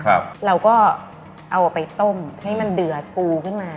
เราก็เอาไปต้มให้มันเดือดปูขึ้นมา